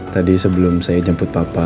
tadi sebelum saya jemput papa